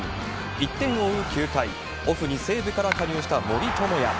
１点を追う９回、オフに西武から加入した森友哉。